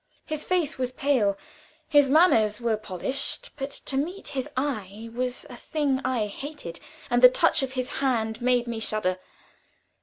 His face was pale, his manners were polished, but to meet his eye was a thing I hated, and the touch of his hand made me shudder.